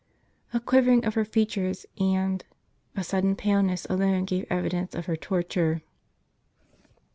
A quivering of her features and a sudden paleness alone gave evidence of lier torture.